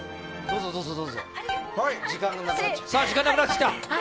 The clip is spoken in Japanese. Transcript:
時間がなくなってきた！